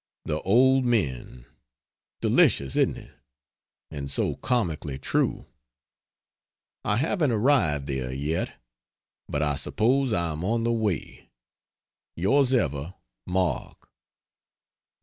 "The Old Men," delicious, isn't it? And so comically true. I haven't arrived there yet, but I suppose I am on the way.... Yours ever, MARK.